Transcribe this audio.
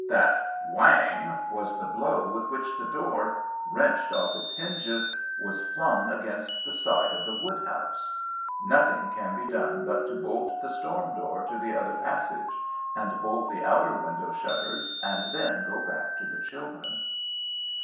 That "whang" was the blow with which the door, wrenched off its hinges, was flung against the side of the wood house. Nothing can be done but to bolt the storm door to the other passage, and bolt the outer window shutters, and then go back to the children.